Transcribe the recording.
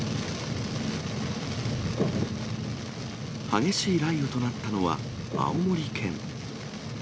激しい雷雨となったのは青森県。